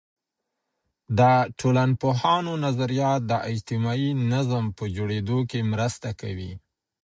د ټولنپوهانو نظریات د اجتماعي نظم په جوړیدو کي مرسته کوي.